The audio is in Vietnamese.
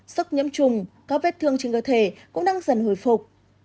sốc nhiễm trùng các vết thương trên cơ thể cũng đang dần hồi phục